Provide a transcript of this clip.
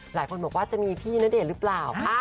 หลายคนบอกว่าจะมีพี่ณเดชน์หรือเปล่า